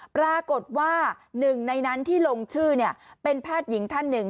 ปรากฏว่าหนึ่งในนั้นที่ลงชื่อเป็นแพทย์หญิงท่านหนึ่ง